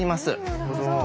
なるほど。